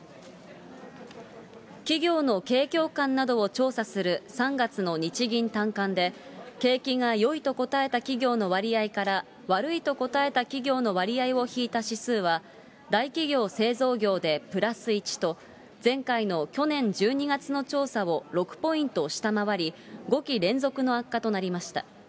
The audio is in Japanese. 企業の景況感などを調査する３月の日銀短観で、景気がよいと答えた企業の割合から悪いと答えた企業の割合を引いた指数は、大企業・製造業でプラス１と、前回の去年１２月の調査を６ポイント下回り、５期連続の悪化となりました。